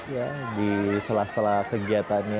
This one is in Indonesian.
ya di sela sela kerjaan ini